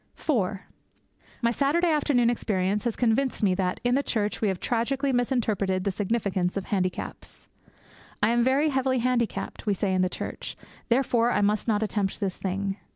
IV My Saturday afternoon experience has convinced me that, in the Church, we have tragically misinterpreted the significance of handicaps. 'I am very heavily handicapped,' we say in the Church, 'therefore I must not attempt this thing!'